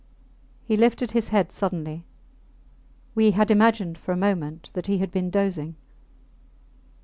He lifted his head suddenly; we had imagined for a moment that he had been dozing.